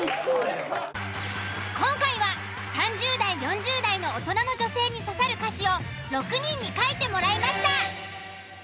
今回は３０代４０代の大人の女性に刺さる歌詞を６人に書いてもらいました。